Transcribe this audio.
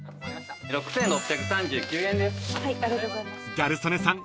［ギャル曽根さん